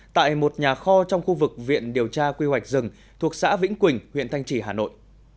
tại một nhà kho trong khu vực viện điều tra quy hoạch rừng thuộc xã vĩnh quỳnh huyện thanh trì hà nội